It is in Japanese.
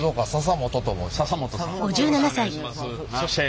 そして？